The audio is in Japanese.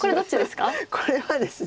これはですね。